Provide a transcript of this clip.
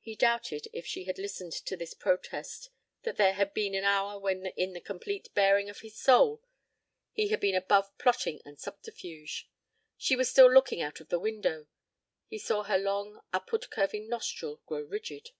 He doubted if she had listened to this protest that there had been an hour when in the complete baring of his soul he had been above plotting and subterfuge. She was still looking out of the window. He saw her long upward curving nostril grow rigid.